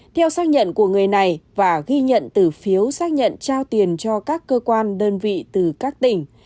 theo xác nhận của người này và ghi nhận từ phiếu xác nhận trao tiền cho các cơ quan đơn vị từ các tỉnh